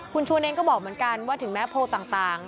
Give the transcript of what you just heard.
คุณชวนเองก็บอกเหมือนกันว่าถึงแม้โพลต่าง